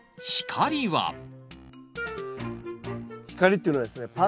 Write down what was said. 光は光っていうのはですね